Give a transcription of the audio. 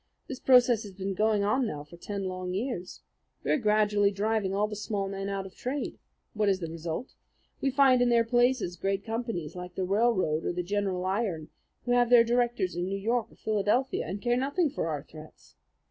This process has been going on now for ten long years. We are gradually driving all the small men out of trade. What is the result? We find in their places great companies like the Railroad or the General Iron, who have their directors in New York or Philadelphia, and care nothing for our threats.